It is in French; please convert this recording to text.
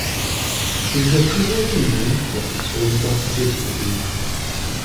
Il y a toujours eu une lutte sur l’identité de ce pays.